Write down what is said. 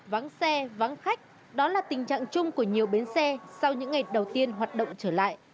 vắng xe vắng khách đó là tình trạng chung của nhiều bến xe sau những ngày đầu tiên hoạt động trở lại